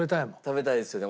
食べたいですよね。